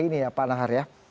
ini ya pak nahar ya